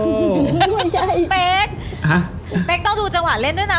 แป๊กต้องดูจังหวะเล่นด้วยนะ